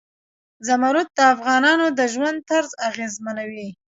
زمرد د افغانانو د ژوند طرز اغېزمنوي.